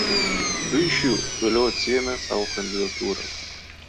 Du iš jų vėliau atsiėmė savo kandidatūrą.